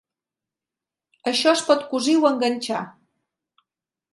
Això es pot cosir o enganxar.